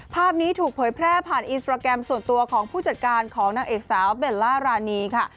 ภาพนี้ถูกเผยแพร่ผ่านอินสตราแกรมส่วนตัวของผู้จัดการของนางเอกสาวเบลล่ารานีค่ะ